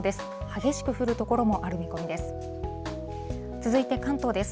激しく降る所もある見込みです。